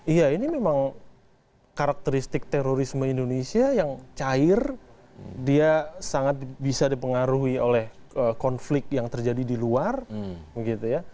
iya ini memang karakteristik terorisme indonesia yang cair dia sangat bisa dipengaruhi oleh konflik yang terjadi di luar gitu ya